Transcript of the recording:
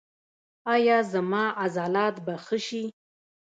ایا زما عضلات به ښه شي؟